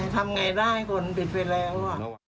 ทำไงได้ก็ผิดไปเรียกว่ะ